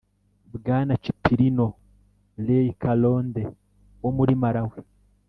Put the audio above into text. bwana chipilino ray kalonde wo muri malawi